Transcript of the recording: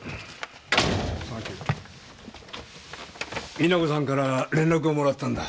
実那子さんから連絡をもらったんだ。